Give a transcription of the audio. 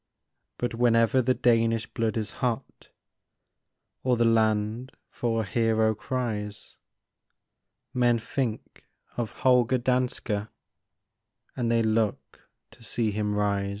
But whenever the Danish blood is hot, Or the land for a hero cries, Men think of Holger Danske, And they look to see him rise.